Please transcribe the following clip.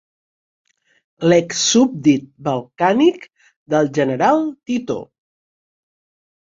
Ex súbdit balcànic del general Tito.